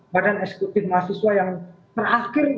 badan eksekutif mahasiswa yang terakhir